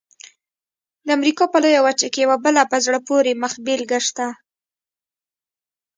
د امریکا په لویه وچه کې یوه بله په زړه پورې مخبېلګه شته.